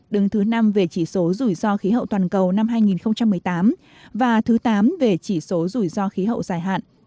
đứng thứ năm về chỉ số rủi ro khí hậu toàn cầu năm hai nghìn một mươi tám và thứ tám về chỉ số rủi ro khí hậu dài hạn